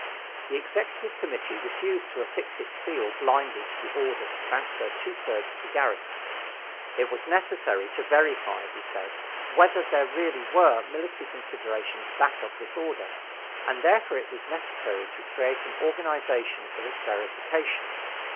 The Executive Committee refused to affix its seal blindly to the order to transfer two thirds of the garrison. It was necessary to verify, we said, whether there really were military considerations back of this order, and therefore it was necessary to create an organization for this verification.